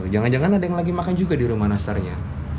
jangan jangan ada yang lagi makan juga di rumah nastarnya